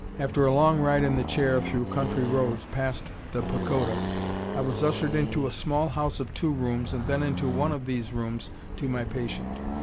After a long ride in the chair through country roads, past the pagoda, I was ushered into a small house of two rooms and then into one of these rooms to my patient.